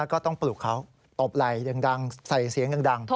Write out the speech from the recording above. ก็ต้องปลูกเขาตบไหล่ดังใส่เสียงดัง